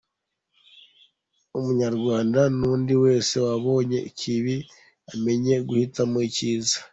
Umunyarwanda n’undi wese wabonye ikibi amenya guhitamo icyiza.